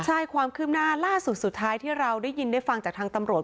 ใช่ความคืบหน้าล่าสุดสุดท้ายที่เราได้ยินได้ฟังจากทางตำรวจ